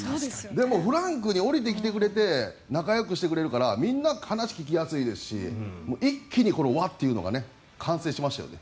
でもフランクに下りてきてくれて仲よくしてくれるからみんな、話聞きやすいですし一気に輪というのが完成しましたよね。